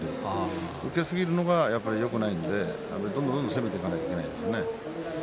受けすぎるのがよくないのでどんどん攻めていかないといけないですね。